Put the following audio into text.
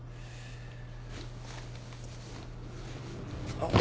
あっ。